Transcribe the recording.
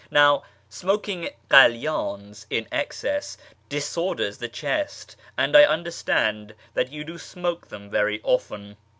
Xow, smoking kalydns in excess disorders the chest, and I understand that you do smoke them very often.